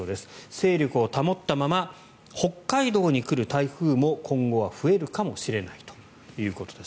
勢力を保ったまま北海道に来る台風も今後は増えるかもしれないということです。